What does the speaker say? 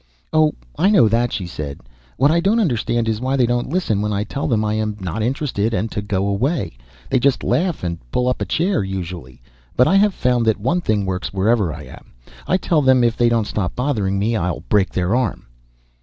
"Oh, I know that," she said. "What I don't understand is why they don't listen when I tell them I am not interested and to go away. They just laugh and pull up a chair, usually. But I have found that one thing works wherever I am. I tell them if they don't stop bothering me I'll break their arm."